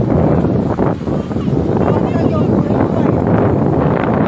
นี่ก็ออกให้เล่นตรงนี้